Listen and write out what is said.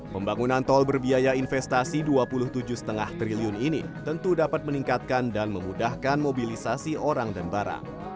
pembangunan tol berbiaya investasi rp dua puluh tujuh lima triliun ini tentu dapat meningkatkan dan memudahkan mobilisasi orang dan barang